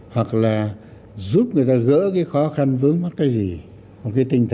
hoặc là giúp người ta gỡ cái khó khăn vướng mắt cái gì một cái tinh thần như thế